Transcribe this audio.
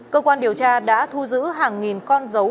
cơ quan điều tra đã thu giữ hàng nghìn con dấu